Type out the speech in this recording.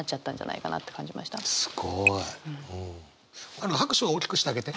あの拍手は大きくしてあげて。